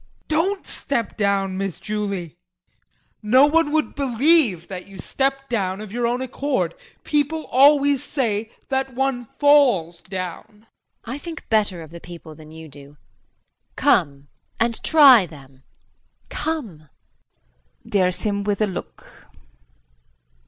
Don't step down, Miss Julie. Listen to me no one would believe that you stepped down of your own accord; people always say that one falls down. JULIE. I think better of the people than you do. Come and try them come! [Dares him with a look.